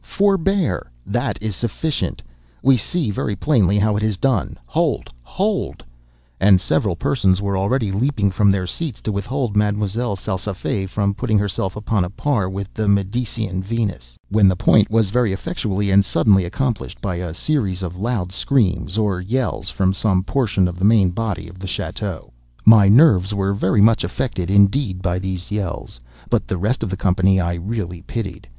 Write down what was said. —forbear!—that is sufficient!—we see, very plainly, how it is done!—hold! hold!" and several persons were already leaping from their seats to withhold Ma'm'selle Salsafette from putting herself upon a par with the Medicean Venus, when the point was very effectually and suddenly accomplished by a series of loud screams, or yells, from some portion of the main body of the château. My nerves were very much affected, indeed, by these yells; but the rest of the company I really pitied.